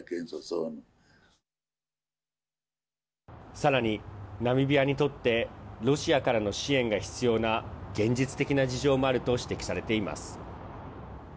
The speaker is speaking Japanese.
さらに、ナミビアにとってロシアからの支援が必要な現実的な事情もあると指摘されています。